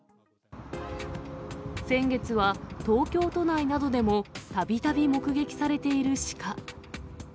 先月は東京都内などでも、たびたび目撃されているシカ。